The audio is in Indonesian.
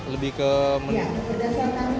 lebih ke mendigitalisasi usaha